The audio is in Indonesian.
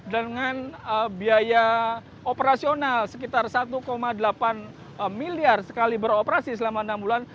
dengan biaya operasional sekitar satu delapan miliar sekali beroperasi selama enam bulan